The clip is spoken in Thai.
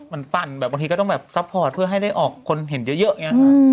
มันปั่นแบบบางทีก็ต้องแบบซัพพอร์ตเพื่อให้ได้ออกคนเห็นเยอะอย่างนี้ค่ะ